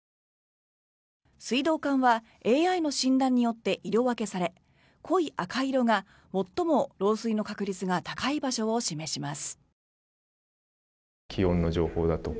水道管はＡＩの診断によって色分けされ濃い赤色が最も漏水の確率が高い場所を示します。